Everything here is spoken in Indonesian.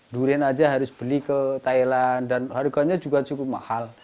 durian aja harus beli ke thailand dan harganya juga cukup mahal